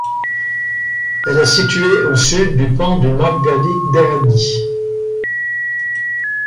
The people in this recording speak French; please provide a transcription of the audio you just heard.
Elle est située au sud du pan de Makgadikgadi.